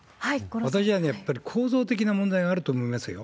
私はね、やっぱり構造的な問題があると思いますよ。